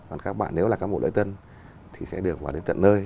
còn các bạn nếu là cán bộ lễ tân thì sẽ được vào đến tận nơi